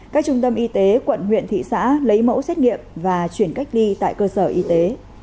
các trung tâm y tế quận huyện thị xã lấy mẫu xét nghiệm và chuyển cách ly tại cơ sở y tế